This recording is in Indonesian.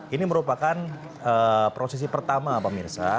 ini merupakan prosesi pertama pemirsa